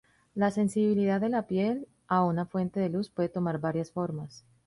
La sensibilidad de la piel a una fuente de luz puede tomar varias formas.